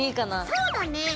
そうだね。